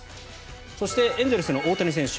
そして、エンゼルスの大谷選手。